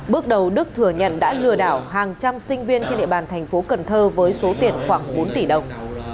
bước đầu đức thừa nhận đã lừa đảo hàng trăm sinh viên trên địa bàn thành phố cần thơ với số tiền khoảng bốn tỷ đồng